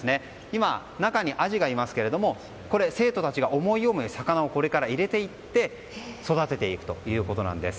今、中にアジがいますけどこれ、生徒たちが思い思いに魚を入れていって育てていくということなんです。